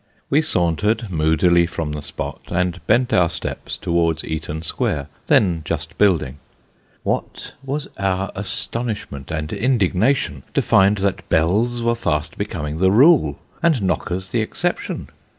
We sauntered moodily from the spot, and bent our steps towards Eaton Square, then just building. What was our astonishment and indignation to find that bells were fast becoming the rule, and knockers the exception